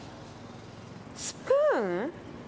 スプーン？